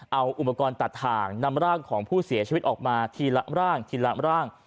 เอาอุปกรณ์ตัดทางนำร่างของผู้เสียชีวิตออกมาทีละร่างทีละร่าง